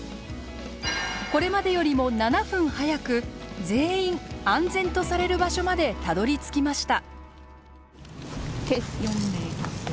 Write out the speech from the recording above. これまでよりも７分早く全員安全とされる場所までたどりつきました。